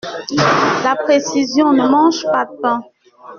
La précision ne mange pas pain.